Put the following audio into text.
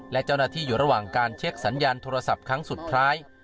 และเจ้าหน้าที่อยู่ระหว่างการเช็คสัญญาณโทรศัพท์ครั้งสุดท้าย